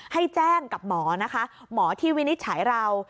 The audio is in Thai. ให้แจ้งกับหมอนะคะหมอที่วินิจฉัยเรา